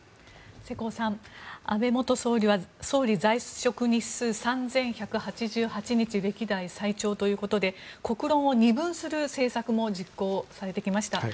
世耕さん、安倍元総理は総理在職日数３１８８日歴代最長ということで国論を二分する政策も実行されてきました。